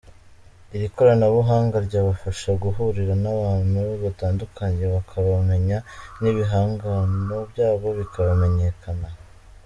Iri koranabuhanga ryabafasha guhura n’abantu batandukanye bakabamenya n’ibihangano byabo bikamenyekana.